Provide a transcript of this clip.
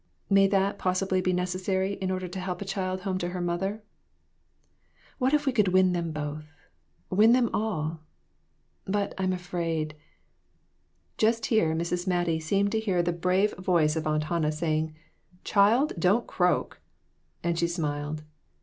May that possibly be necessary in order to help a child home to her mother ? What if we could win them both win them all? But I'm afraid" Just here Mrs. Mattie seemed to hear the brave 222 CHARACTER STUDIES. voice of Aunt Hannah saying, " Child, don't croak !" and she smiled.